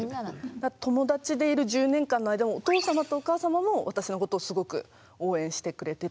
友達でいる１０年間の間もお父様とお母様も私のことをすごく応援してくれてたっていう感じで。